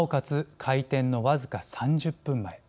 開店の僅か３０分前。